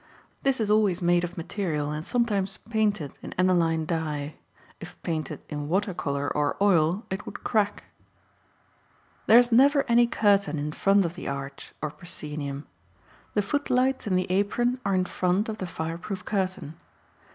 This is always made of material and sometimes painted in aniline dye; if painted in water color or oil it would crack. There is never any curtain in front of "the arch" or proscenium. The footlights and the apron are in front of the fireproof curtain.